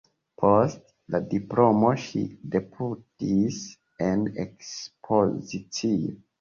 Post la diplomo ŝi debutis en ekspozicio.